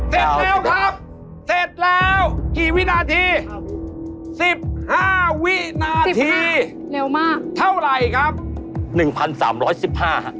เท่าไหร่ครับ